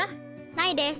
ないです。